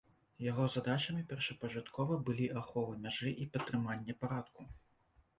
Яго задачамі першапачаткова былі ахова мяжы і падтрыманне парадку.